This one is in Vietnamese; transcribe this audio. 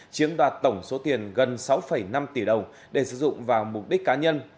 chiếm đoạt tổng số tiền gần sáu năm tỷ đồng để sử dụng vào mục đích cá nhân